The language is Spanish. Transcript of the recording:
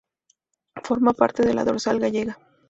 Forma parte de la Dorsal gallega.